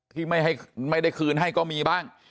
ที่ไม่ได้คืนให้ก็มีบ้าง